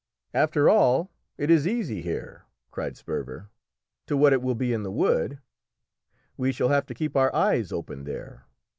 "After all, it is easy here," cried Sperver, "to what it will be in the wood. We shall have to keep our eyes open there!